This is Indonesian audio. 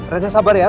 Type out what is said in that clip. rena sabar ya